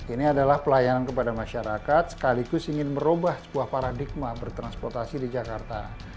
ini adalah pelayanan kepada masyarakat sekaligus ingin merubah sebuah paradigma bertransportasi di jakarta